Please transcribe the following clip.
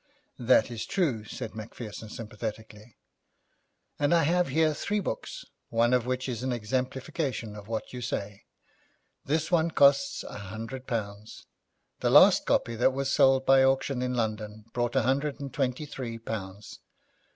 'That is true,' said Macpherson sympathetically, 'and I have here three books, one of which is an exemplification of what you say. This one costs a hundred pounds. The last copy that was sold by auction in London brought a hundred and twenty three pounds.